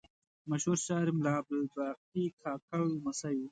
مشهور شاعر ملا عبدالباقي کاکړ لمسی و.